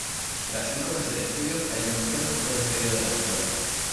Tras cinco meses de estudios cayó enfermo y fue despedido de la escuela.